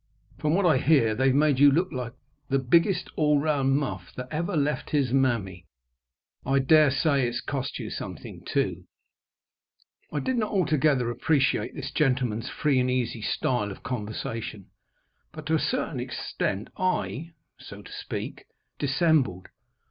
From what I hear they've made you look like the biggest all round muff that ever left his mammy. I daresay it's cost you something, too." I did not altogether appreciate this gentleman's free and easy style of conversation. But to a certain extent I, so to speak, dissembled.